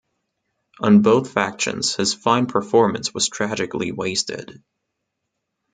On both factions his fine performance was tragically wasted.